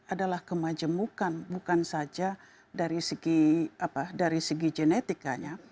adalah kemajemukan bukan saja dari segi genetikanya